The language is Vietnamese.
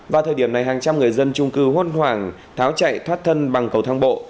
vào thời điểm này hàng trăm người dân trung cư hốt hoảng tháo chạy thoát thân bằng cầu thang bộ